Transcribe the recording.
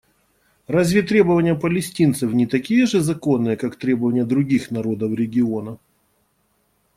Разве требования палестинцев не такие же законные, как требования других народов региона?